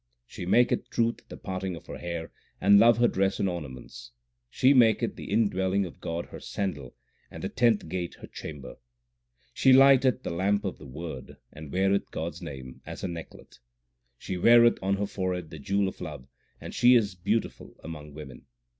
She maketh truth the parting of her hair, and love her dress and ornaments. She maketh the indwelling 2 of God her sandal, and the tenth gate her chamber. She lighteth the lamp of the Word, and weareth God s name as her necklet. She weareth on her forehead the jewel of love, and she is beautiful among women.